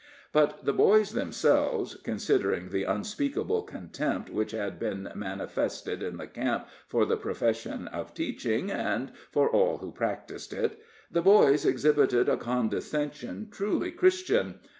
But the boys themselves considering the unspeakable contempt which had been manifested in the camp for the profession of teaching, and for all who practiced it the boys exhibited a condescension truly Christian.